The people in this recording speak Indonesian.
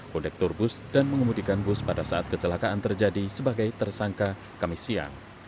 kondektur bus dan mengemudikan bus pada saat kecelakaan terjadi sebagai tersangka kami siang